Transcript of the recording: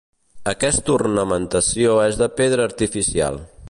Aquesta ornamentació és de pedra artificial.